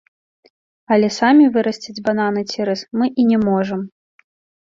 Але самі вырасціць бананы ці рыс мы і не можам.